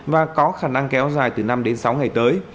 và có khả năng kéo dài từ năm đến sáu ngày tới